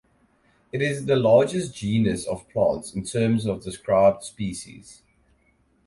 It is the largest genus of plants in terms of described species.